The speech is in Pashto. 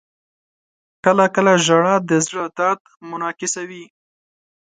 • کله کله ژړا د زړه درد منعکسوي.